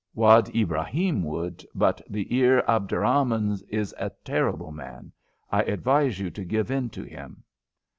"Wad Ibrahim would, but the Emir Abderrahman is a terrible man. I advise you to give in to him."